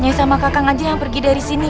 nyai sama kakang aja yang pergi dari sini